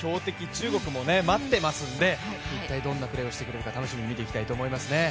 中国も待ってますんで一体どんなプレーをしてくれるか楽しみに見ていきたいですね。